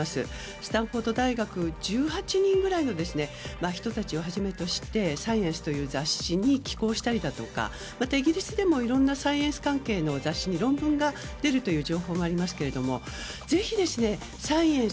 スタンフォード大学１８人ぐらいの人たちをはじめ「サイエンス」という雑誌に寄稿したりとかまた、イギリスでもいろんなサイエンス関係の雑誌に論文が出るという情報もありますがぜひ、「サイエンス」